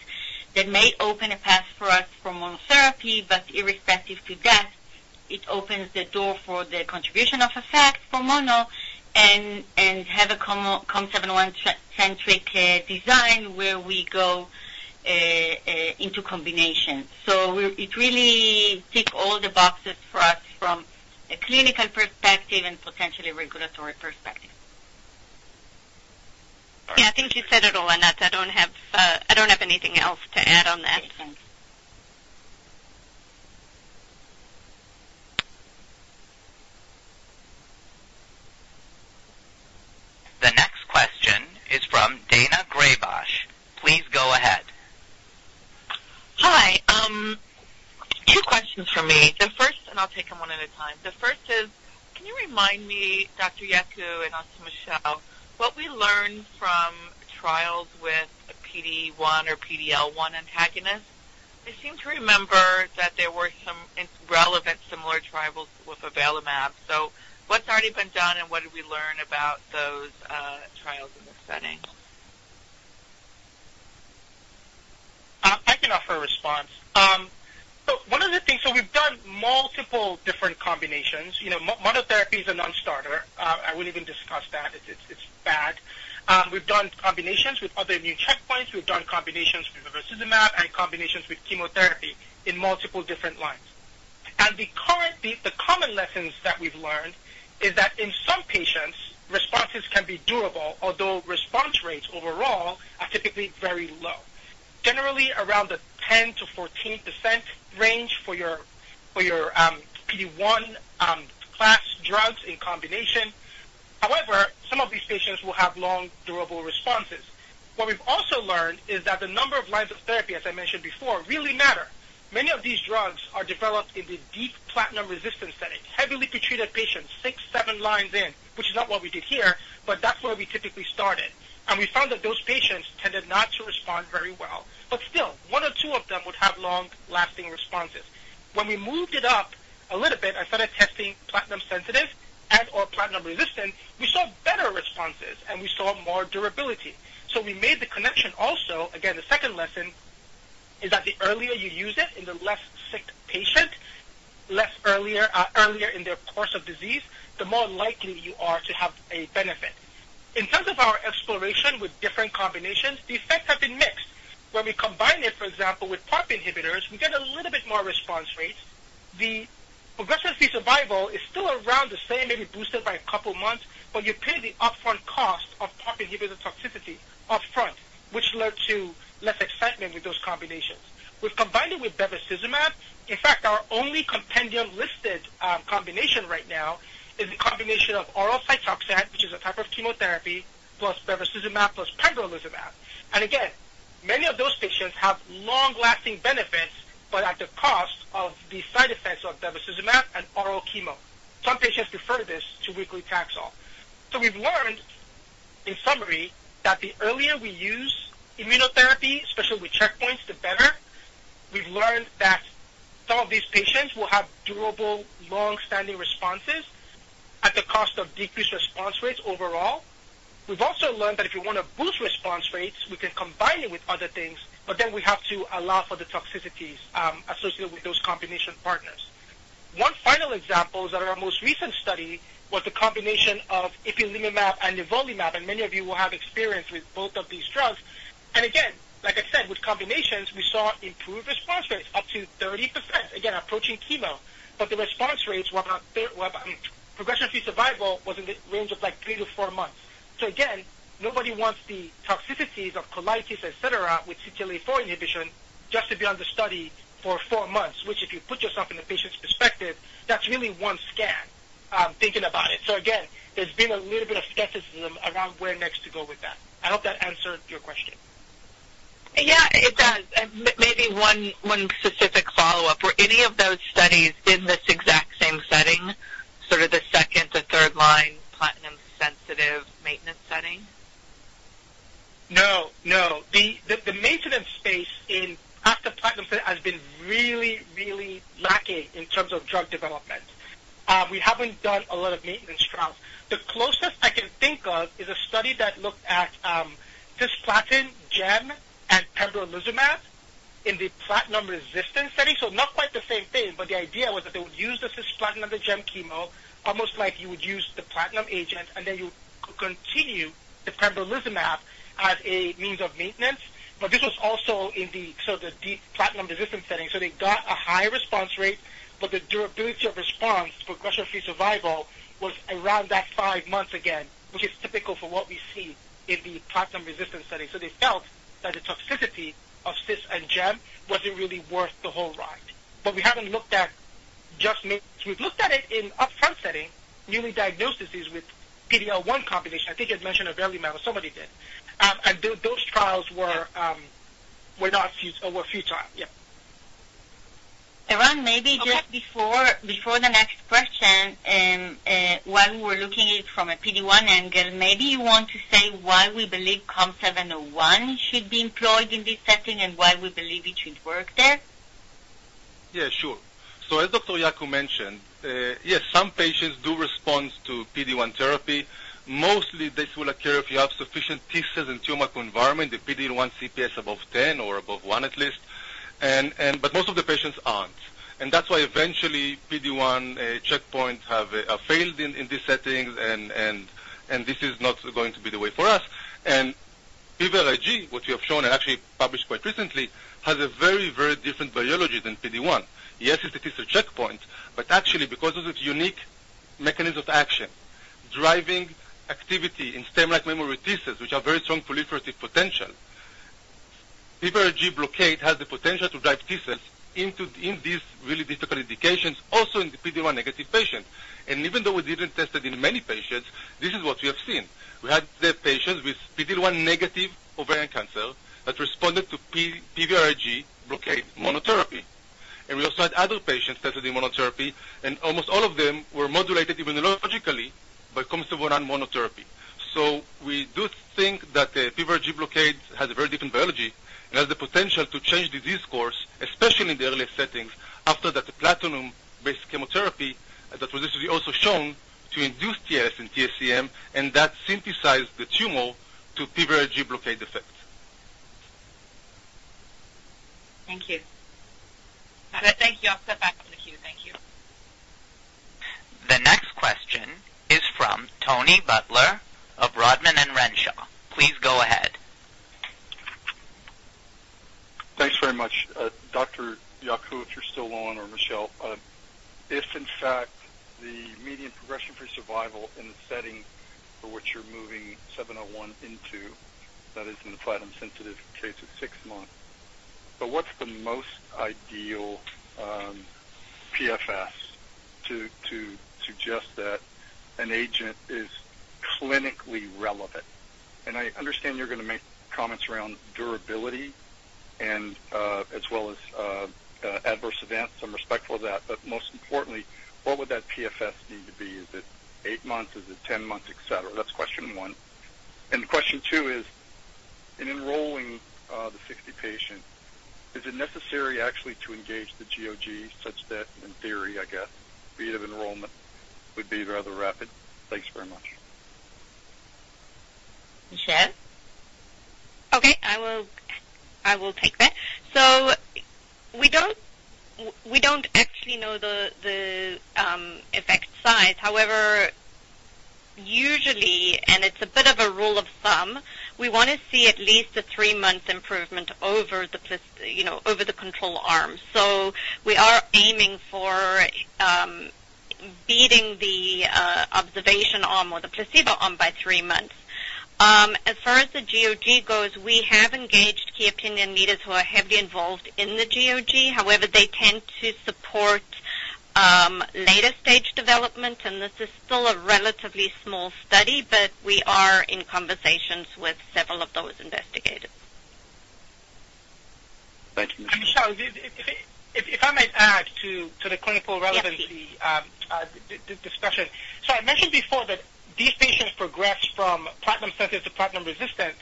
S2: that may open a path for us for monotherapy. But irrespective to that, it opens the door for the contribution of effect for mono and have a COM701-centric design where we go into combination. So it really ticks all the boxes for us from a clinical perspective and potentially regulatory perspective. All right.
S5: Yeah, I think you said it all, Anat. I don't have anything else to add on that.
S3: Okay. Thanks.
S1: The next question is from Daina Graybosch. Please go ahead. Hi. Two questions for me. And I'll take them one at a time. The first is, can you remind me, Dr. Yeku and also Michelle, what we learned from trials with PD-1 or PD-L1 antagonists? I seem to remember that there were some relevant similar trials with avelumab. So what's already been done, and what did we learn about those trials in this setting?
S6: I can offer a response, so one of the things, so we've done multiple different combinations. Monotherapy is a non-starter. I won't even discuss that. It's bad. We've done combinations with other immune checkpoints. We've done combinations with Bevacizumab and combinations with chemotherapy in multiple different lines. And the common lessons that we've learned is that in some patients, responses can be durable, although response rates overall are typically very low, generally around the 10%-14% range for your PD-1 class drugs in combination. However, some of these patients will have long, durable responses. What we've also learned is that the number of lines of therapy, as I mentioned before, really matter. Many of these drugs are developed in the deep platinum-resistant setting, heavily pretreated patients, six, seven lines in, which is not what we did here, but that's where we typically started. We found that those patients tended not to respond very well. Still, one or two of them would have long-lasting responses. When we moved it up a little bit and started testing platinum-sensitive and/or platinum-resistant, we saw better responses, and we saw more durability. We made the connection also. Again, the second lesson is that the earlier you use it in the less sick patient, earlier in their course of disease, the more likely you are to have a benefit. In terms of our exploration with different combinations, the effects have been mixed. When we combine it, for example, with PARP inhibitors, we get a little bit more response rate. The progression-free survival is still around the same, maybe boosted by a couple of months, but you pay the upfront cost of PARP inhibitor toxicity upfront, which led to less excitement with those combinations. We've combined it with bevacizumab. In fact, our only compendium-listed combination right now is a combination of oral Cytoxan, which is a type of chemotherapy, plus bevacizumab, plus pembrolizumab. And again, many of those patients have long-lasting benefits, but at the cost of the side effects of bevacizumab and oral chemo. Some patients defer this to weekly Taxol. So we've learned, in summary, that the earlier we use immunotherapy, especially with checkpoints, the better. We've learned that some of these patients will have durable, long-standing responses at the cost of decreased response rates overall. We've also learned that if we want to boost response rates, we can combine it with other things, but then we have to allow for the toxicities associated with those combination partners. One final example is that our most recent study was the combination of ipilimumab and nivolumab, and many of you will have experience with both of these drugs, and again, like I said, with combinations, we saw improved response rates up to 30%, again, approaching chemo, but the response rates were about, progression-free survival was in the range of like three-to-four months, so again, nobody wants the toxicities of colitis, etc., with CTLA-4 inhibition just to be on the study for four months, which, if you put yourself in the patient's perspective, that's really one scan thinking about it, so again, there's been a little bit of skepticism around where next to go with that. I hope that answered your question.
S5: Yeah, it does. Maybe one specific follow-up. Were any of those studies in this exact same setting, sort of the second- to third-line platinum-sensitive maintenance setting?
S6: No. No. The maintenance space in after platinum has been really, really lacking in terms of drug development. We haven't done a lot of maintenance trials. The closest I can think of is a study that looked at cisplatin, Gem, and pembrolizumab in the platinum-resistant setting. So not quite the same thing, but the idea was that they would use the cisplatin and the Gem chemo, almost like you would use the platinum agent, and then you would continue the pembrolizumab as a means of maintenance. But this was also in the sort of the deep platinum-resistant setting. So they got a high response rate, but the durability of response, progression-free survival, was around that five months again, which is typical for what we see in the platinum-resistant setting. So they felt that the toxicity of cis and Gem wasn't really worth the whole ride. But we haven't looked at just maintenance. We've looked at it in upfront setting, newly diagnosed disease with PD-L1 combination. I think you had mentioned avelumab. Somebody did. And those trials were not futile. Yeah.
S5: Anat, maybe just before the next question, while we were looking at it from a PD-1 angle, maybe you want to say why we believe COM701 should be employed in this setting and why we believe it should work there?
S7: Yeah, sure. So as Dr. Yeku mentioned, yes, some patients do respond to PD-1 therapy. Mostly, this will occur if you have sufficient T cells in tumor confinement, the PD-1 CPS above 10 or above one at least. But most of the patients aren't. And that's why eventually PD-1 checkpoints have failed in these settings, and this is not going to be the way for us. And PVRIG, what you have shown and actually published quite recently, has a very, very different biology than PD-1. Yes, it's a T cell checkpoint, but actually, because of its unique mechanism of action, driving activity in stem-like memory T cells, which have very strong proliferative potential, PVRIG blockade has the potential to drive T cells into these really difficult indications, also in the PD-1 negative patient. And even though we didn't test it in many patients, this is what we have seen. We had the patients with PD-1 negative ovarian cancer that responded to PVRIG blockade monotherapy. And we also had other patients tested in monotherapy, and almost all of them were modulated immunologically by COM701 monotherapy. So we do think that PVRIG blockade has a very different biology and has the potential to change disease course, especially in the earliest settings, after that platinum-based chemotherapy that was also shown to induce T cells and TSCM, and that synthesized the tumor to PVRIG blockade effect.
S2: Thank you. Thank you. I'll step back from the queue. Thank you.
S1: The next question is from Tony Butler of Rodman & Renshaw. Please go ahead.
S8: Thanks very much. Dr. Yeku, if you're still on, or Michelle, if in fact the median progression-free survival in the setting for which you're moving 701 into, that is in the platinum-sensitive case of six months, but what's the most ideal PFS to suggest that an agent is clinically relevant? And I understand you're going to make comments around durability as well as adverse events. I'm respectful of that. But most importantly, what would that PFS need to be? Is it eight months? Is it ten months? Etc.? That's question one. And question two is, in enrolling the 60 patients, is it necessary actually to engage the GOG such that, in theory, I guess, speed of enrollment would be rather rapid? Thanks very much.
S2: Michelle?
S5: Okay. I will take that. So we don't actually know the effect size. However, usually, and it's a bit of a rule of thumb, we want to see at least a three-month improvement over the control arm. So we are aiming for beating the observation arm or the placebo arm by three months. As far as the GOG goes, we have engaged key opinion leaders who are heavily involved in the GOG. However, they tend to support later-stage development, and this is still a relatively small study, but we are in conversations with several of those investigators.
S8: Thank you, Michelle.
S6: And Michelle, if I may add to the clinical relevancy discussion, so I mentioned before that these patients progress from platinum-sensitive to platinum-resistant.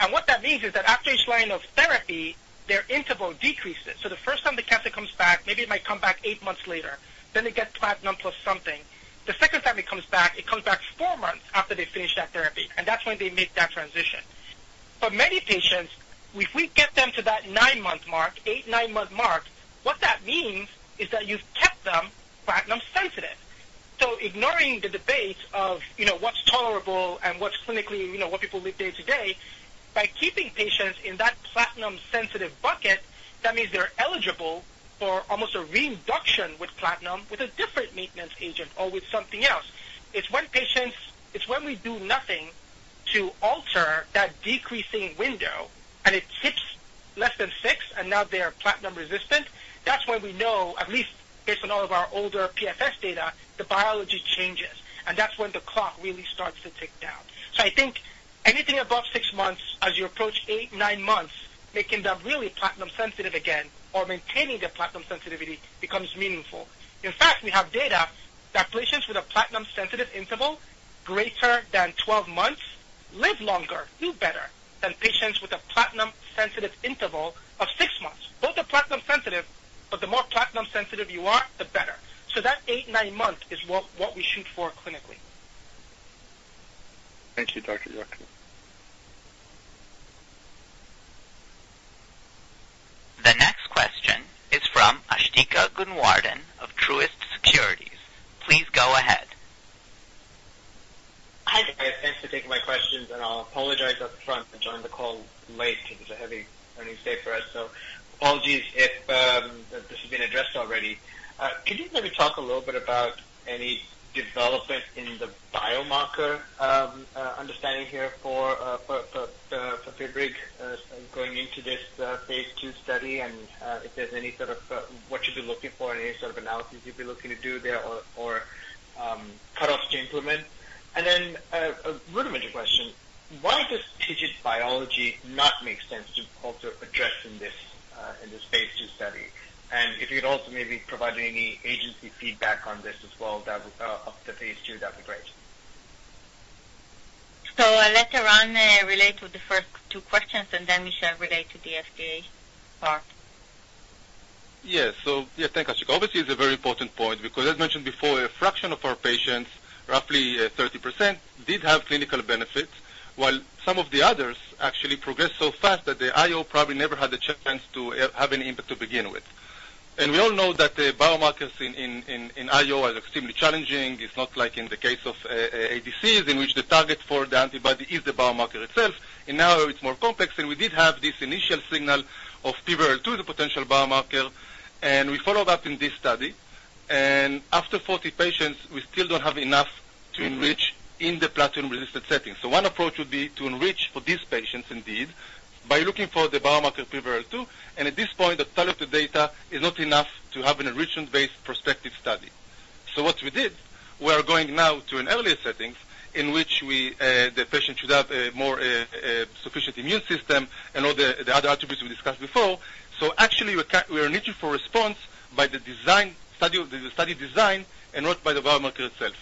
S6: And what that means is that after each line of therapy, their interval decreases. So the first time the cancer comes back, maybe it might come back eight months later. Then they get platinum plus something. The second time it comes back, it comes back four months after they finish that therapy. And that's when they make that transition. For many patients, if we get them to that nine-month mark, eight, nine-month mark, what that means is that you've kept them platinum-sensitive. So ignoring the debates of what's tolerable and what's clinically, what people live day to day, by keeping patients in that platinum-sensitive bucket, that means they're eligible for almost a reinduction with platinum with a different maintenance agent or with something else. It's when patients, it's when we do nothing to alter that decreasing window, and it tips less than six, and now they're platinum-resistant. That's when we know, at least based on all of our older PFS data, the biology changes, and that's when the clock really starts to tick down, so I think anything above six months, as you approach eight, nine months, making them really platinum-sensitive again or maintaining their platinum sensitivity becomes meaningful. In fact, we have data that patients with a platinum-sensitive interval greater than 12 months live longer, do better than patients with a platinum-sensitive interval of six months. Both are platinum-sensitive, but the more platinum-sensitive you are, the better, so that eight, nine months is what we shoot for clinically.
S8: Thank you, Dr. Yeku.
S1: The next question is from Asthika Goonewardene of Truist Securities. Please go ahead.
S9: Hi, guys. Thanks for taking my questions. And I'll apologize upfront for joining the call late because it's a heavy learning day for us. So apologies if this has been addressed already. Could you maybe talk a little bit about any development in the biomarker understanding here for PVRIG going into this phase two study and if there's any sort of what you'd be looking for and any sort of analysis you'd be looking to do there or cutoffs to implement? And then a rudimentary question. Why does TIGIT biology not make sense to also address in this phase two study? And if you could also maybe provide any agency feedback on this as well of the phase two, that'd be great.
S5: I'll let Anat relate to the first two questions, and then Michelle relate to the FDA part.
S7: Yeah. So yeah, thanks, Asthika. Obviously, it's a very important point because, as mentioned before, a fraction of our patients, roughly 30%, did have clinical benefits, while some of the others actually progressed so fast that the IO probably never had the chance to have any impact to begin with. And we all know that the biomarkers in IO are extremely challenging. It's not like in the case of ADCs in which the target for the antibody is the biomarker itself. In IO, it's more complex. And we did have this initial signal of PVRL-2, the potential biomarker, and we followed up in this study. And after 40 patients, we still don't have enough to enrich in the platinum-resistant setting. So one approach would be to enrich for these patients indeed by looking for the biomarker PVRL-2. At this point, the totality of the data is not enough to have an enrichment-based prospective study. So what we did, we are going now to an earlier setting in which the patient should have a more robust immune system and all the other attributes we discussed before. So actually, we are enriching for response by the study design and not by the biomarker itself.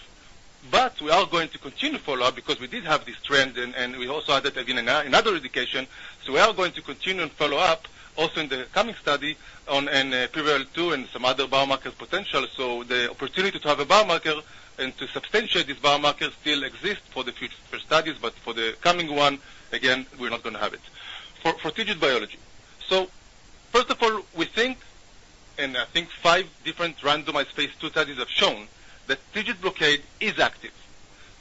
S7: But we are going to continue follow-up because we did have this trend, and we also had it again in another indication. So we are going to continue and follow up also in the coming study on PVRL-2 and some other biomarker potential. So the opportunity to have a biomarker and to substantiate this biomarker still exists for the future studies, but for the coming one, again, we're not going to have it. For PVRIG biology. So first of all, we think, and I think five different randomized phase ll studies have shown that TIGIT blockade is active.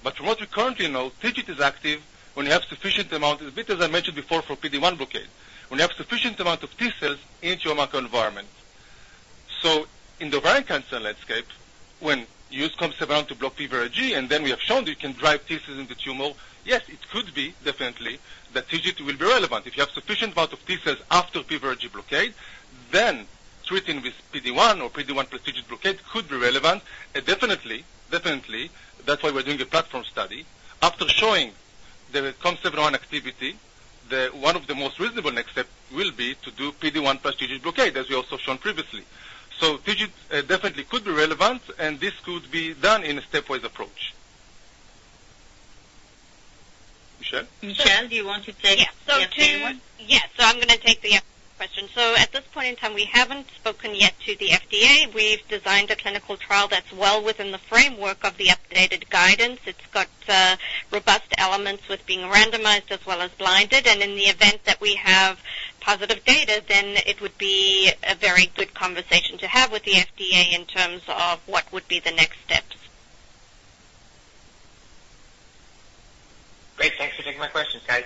S7: But from what we currently know, TIGIT is active when you have sufficient amount, a bit as I mentioned before for PD-1 blockade, when you have sufficient amount of T cells in tumor microenvironment. So in the ovarian cancer landscape, when COM701 comes around to block PVRIG, and then we have shown that you can drive T cells in the tumor, yes, it could be definitely that TIGIT will be relevant. If you have sufficient amount of T cells after PVRIG blockade, then treating with PD-1 or PD-1 plus TIGIT blockade could be relevant. And definitely, definitely, that's why we're doing a platform study. After showing the COM701 activity, one of the most reasonable next steps will be to do PD-1 plus PVRIG blockade, as we also shown previously. So PVRIG definitely could be relevant, and this could be done in a stepwise approach. Michelle?
S2: Michelle, do you want to take the PD-1?
S5: Yeah, so I'm going to take the question so at this point in time, we haven't spoken yet to the FDA. We've designed a clinical trial that's well within the framework of the updated guidance. It's got robust elements with being randomized as well as blinded, and in the event that we have positive data, then it would be a very good conversation to have with the FDA in terms of what would be the next steps.
S9: Great. Thanks for taking my questions, guys.